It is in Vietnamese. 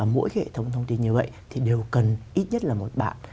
mỗi hệ thống thông tin như vậy đều cần ít nhất là một bạn